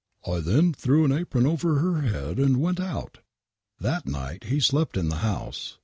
*• I then threw an apron over her head and went out" That night he slept in the house.